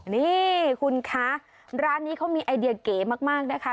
นี่คุณคะร้านนี้เขามีไอเดียเก๋มากนะคะ